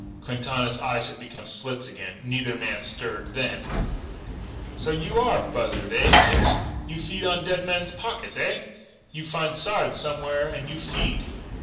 Quintana's eyes had become slits again. Neither man stirred. Then: "So you are buzzard, eh, Clinch? You feed on dead man's pockets, eh? You find Sard somewhere an' you feed."